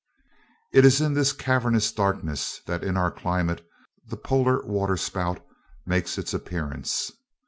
It is in this cavernous darkness that in our climate the Polar waterspout makes its appearance.